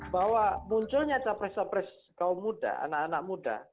bahwa munculnya capres capres kaum muda anak anak muda